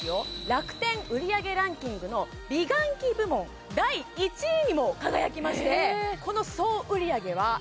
楽天売上ランキングの美顔器部門第１位にも輝きまして